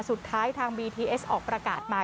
สุดท้ายทางบีทีเอสออกประกาศมา